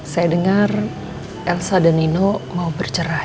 saya dengar elsa dan nino mau bercerah